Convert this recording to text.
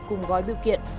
cùng gói biểu kiện